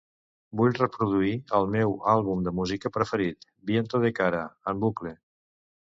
Vull reproduir el meu àlbum de música preferit, "Viento de cara", en bucle.